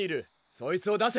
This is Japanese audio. そいつを出せ。